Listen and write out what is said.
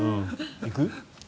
行く？